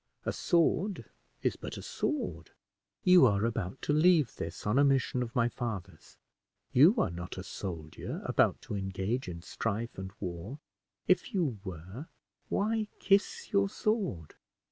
A sword is but a sword. You are about to leave this on a mission of my father's. You are not a soldier, about to engage in strife and war; if you were, why kiss your sword?"